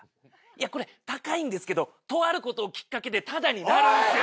いやこれ高いんですけどとあることをきっかけでタダになるんですよ。